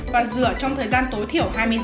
và rửa trong thời gian tối thiểu hai mươi giây